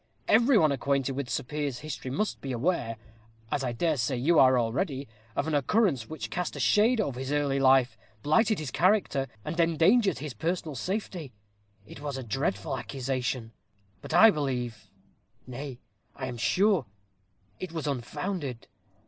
Every one acquainted with Sir Piers's history must be aware, as I dare say you are already, of an occurrence which cast a shade over his early life, blighted his character, and endangered his personal safety. It was a dreadful accusation. But I believe, nay, I am sure, it was unfounded.